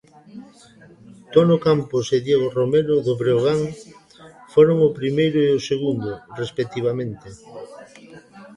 Tono Campos e Diego Romero, do Breogán, foron o primeiro e o segundo, respectivamente.